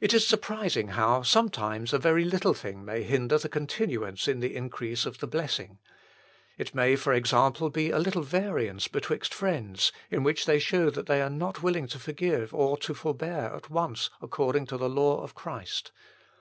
It is surprising how sometimes a very little thing may hinder the continuance in the increase of the blessing. It may, for example, be a little variance betwixt friends, in which they show that they are not willing to forgive and to forbear at once according to the law of Christ.